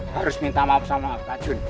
harus minta maaf sama pak jun